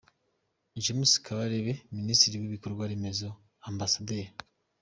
James Kabarebe; Minisitiri w’Ibikorwa remezo, Amb.